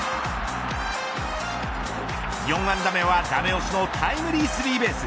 ４安打目は、ダメ押しのタイムリースリーベース。